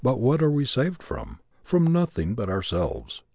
What are we to be saved from? From nothing but ourselves.